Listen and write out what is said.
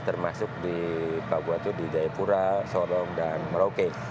empat belas termasuk di pabuatu di jayapura sorong dan merauke